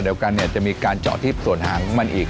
เดียวกันเนี่ยจะมีการเจาะที่ส่วนหางของมันอีก